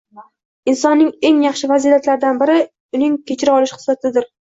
Insonning eng yaxshi fazilatlaridan biri uning kechira olish xislatidir